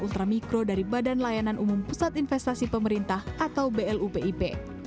ultramikro dari badan layanan umum pusat investasi pemerintah atau blupip